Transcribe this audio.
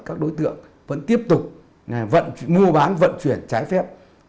các đối tượng vẫn tiếp tục mua bán vận chuyển trái phép